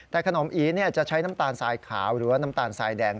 แต่ขนมอีจะใช้น้ำตาลทรายขาวหรือว่าน้ำตาลทรายแดง